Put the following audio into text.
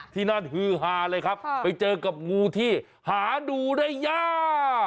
ที่นั่นฮือฮาเลยครับไปเจอกับงูที่หาดูได้ยาก